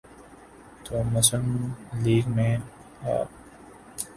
تو مسلم لیگ میں آ۔